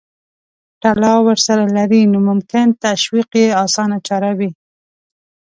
تړاو ورسره لري نو ممکن تشویق یې اسانه چاره وي.